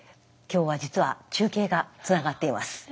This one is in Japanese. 今日は実は中継がつながっています。